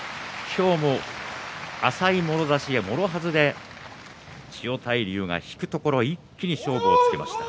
今日も浅いもろ差しでもろはずで千代大龍が引くところ一気に勝負をつけました。